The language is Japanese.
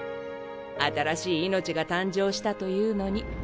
新しい命が誕生したというのに。